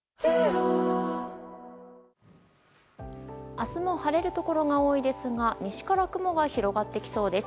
明日も晴れるところが多いですが西から雲が広がってきそうです。